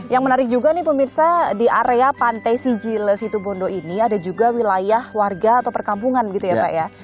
yang menarik juga nih pemirsa di area pantai sijile situbondo ini ada juga wilayah warga atau perkampungan gitu ya pak ya